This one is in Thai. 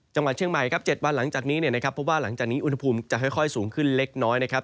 จังหวัดเชียงใหม่ครับ๗วันหลังจากนี้เนี่ยนะครับเพราะว่าหลังจากนี้อุณหภูมิจะค่อยสูงขึ้นเล็กน้อยนะครับ